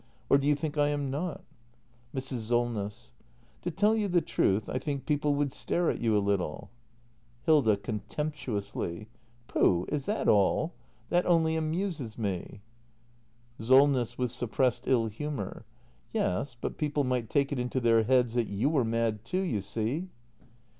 Or do you think I am not ? Mrs. Solness. To tell you the truth, I think people would stare at you a little. act ii] THE MASTER BUILDER 333 Hilda. [Contemptuously.] Pooh! Is that all? That only amuses me. Solness. [With suppressed ill humour.] Yes, but people might take it into their heads that you were mad too, you see.